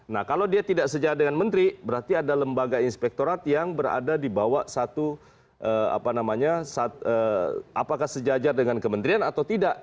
nah kalau dia tidak sejajar dengan menteri berarti ada lembaga inspektorat yang berada di bawah satu apa namanya apakah sejajar dengan kementerian atau tidak